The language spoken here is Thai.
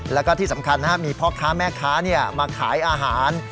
แล้วก็ที่สำคัญมีพ่อค้าแม่ค้ามาขายอาหาร